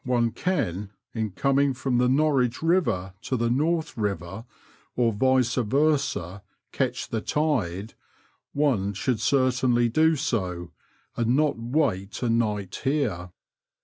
57 one can, in coming from the Norwich Eiver to the North Elver, or vice versa, catch the tide,"one should certainly do so, and not wait a night here."